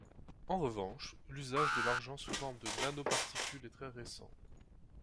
En revanche, l'usage de l'argent sous forme de nanoparticules est très récent.